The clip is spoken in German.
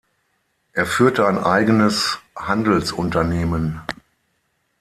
Er führte ein eigenes Handelsunternehmen.